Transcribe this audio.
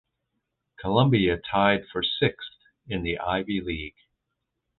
Columbia tied for sixth in the Ivy League.